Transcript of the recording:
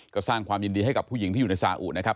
ก็สร้างความยินดีให้กับผู้หญิงที่อยู่ในซาอุนะครับ